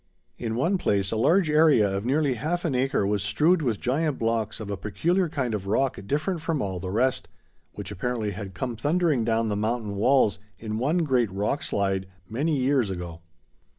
In one place a large area of nearly half an acre was strewed with giant blocks of a peculiar kind of rock different from all the rest, which apparently had come thundering down the mountain walls in one great rock slide many years ago.